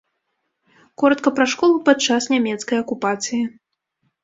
Коратка пра школу падчас нямецкай акупацыі.